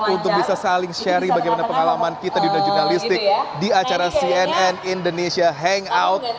untuk bisa saling sharing bagaimana pengalaman kita di dunia jurnalistik di acara cnn indonesia hangout